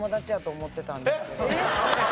えっ？